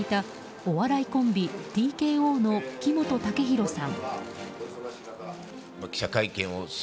お笑いコンビＴＫＯの木本武宏さん。